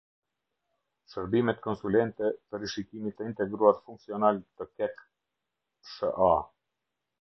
Shërbimet konsulente te rishikimit te integruar funksional te Kek sh.a